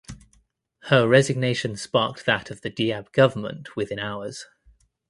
Her resignation sparked that of the Diab government within hours.